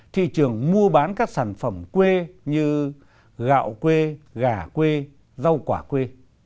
thị trường mua bán các sản phẩm quê như gạo quê gà quê rau quả quê